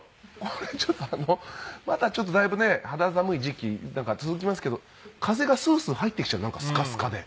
これちょっとまだだいぶね肌寒い時期続きますけど風がスースー入ってきちゃうなんかスカスカで。